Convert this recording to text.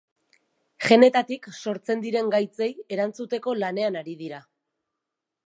Genetatik sortzen diren gaitzei erantzuteko lanean ari dira.